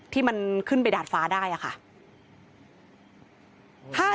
ที่มันขึ้นไปดาดฟ้าได้ค่ะ